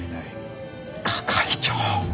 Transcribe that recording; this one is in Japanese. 係長！